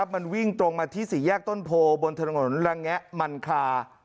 มันวิ่งตรงมาที่สี่แยกต้นโพบนถนนระแงะมันคา